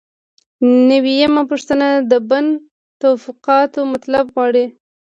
نوي یمه پوښتنه د بن توافقاتو مطالب غواړي.